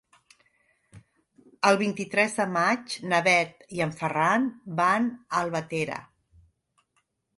El vint-i-tres de maig na Bet i en Ferran van a Albatera.